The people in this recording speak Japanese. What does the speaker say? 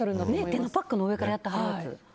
手のパックの上からやってはる。